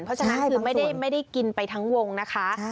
เพราะฉะนั้นคือไม่ได้กินไปทั้งวงนะคะ